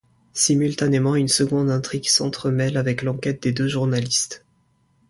Simultanément, une seconde intrigue s'entremêle avec l'enquête des deux journalistes.